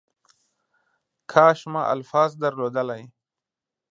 کاش ما الفاظ درلودلی .